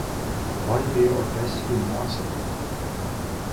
one day اور test کی نہ صرف